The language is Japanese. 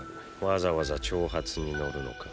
わざわざ挑発に乗るのか？